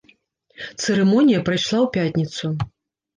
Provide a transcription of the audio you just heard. Цырымонія прайшла ў пятніцу.